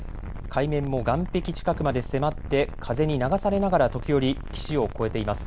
海面も岸壁近くまで迫って風に流されながら時折、岸を越えています。